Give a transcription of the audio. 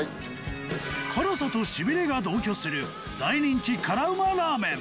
辛さとシビレが同居する大人気辛ウマラーメン